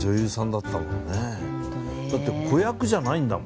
だって子役じゃないんだもん。